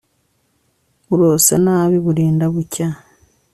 urose nabi burinda bucya